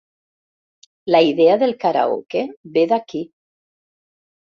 La idea del karaoke ve d'aquí.